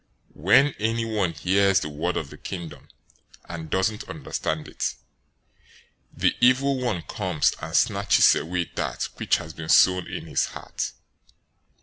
013:019 When anyone hears the word of the Kingdom, and doesn't understand it, the evil one comes, and snatches away that which has been sown in his heart.